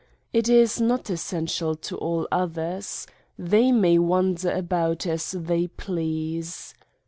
It is not essential to all others. They may wander about as they please.